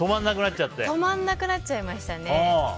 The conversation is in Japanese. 止まらなくなっちゃいましたね。